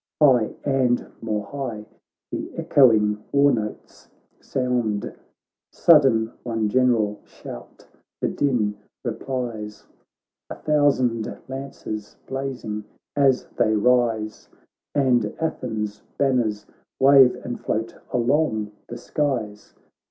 High, and more high, the echoing war notes sound : Sudden one general shout the din replies, A thousand lances blazing as they rise, And Athens' banners wave and float along the skies.